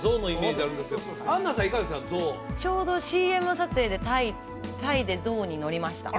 ちょうどＣＭ撮影でタイでゾウに乗りました